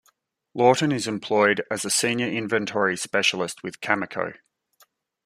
Lawton is employed as a senior inventory specialist with Cameco.